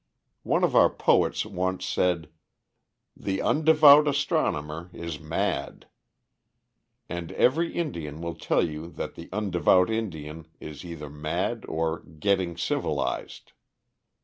One of our poets once said, "The undevout astronomer is mad." And every Indian will tell you that the undevout Indian is either mad or "getting civilized."